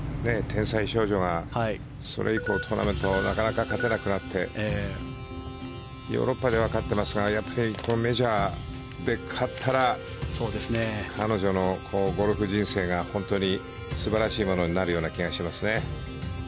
天才少女がそれ以降、トーナメントなかなか勝てなくなってヨーロッパでは勝ってますがやっぱりメジャーで勝ったら彼女のゴルフ人生が本当に素晴らしいものになるような気がします。